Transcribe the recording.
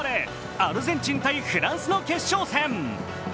アルゼンチン×フランスの決勝戦。